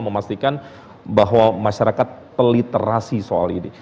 memastikan bahwa masyarakat peliterasi soal ini